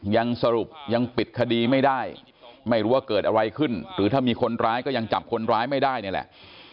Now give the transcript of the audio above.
ยังสรุปยังปิดคดีไม่ได้ไม่รู้ว่าเกิดอะไรขึ้นหรือถ้ามีคนร้ายก็ยังจับคนร้ายไม่ได้นี่แหละ